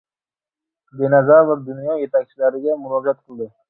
Dinozavr dunyo yetakchilariga murojaat qildi